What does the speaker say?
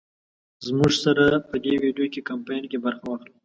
زمونږ سره په دې وېډيو کمپين کې برخه واخلۍ